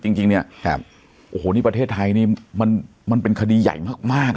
จริงจริงเนี่ยครับโอ้โหนี่ประเทศไทยนี่มันมันเป็นคดีใหญ่มากมาก